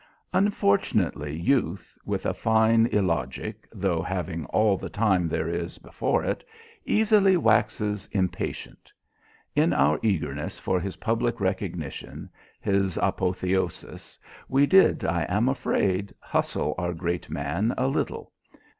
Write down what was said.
Unfortunately youth, with a fine illogic, though having all the time there is before it, easily waxes impatient. In our eagerness for his public recognition, his apotheosis, we did, I am afraid, hustle our great man a little.